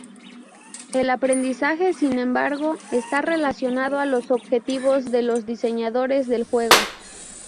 El aprendizaje, sin embargo, está relacionado a los objetivos de los diseñadores del juego.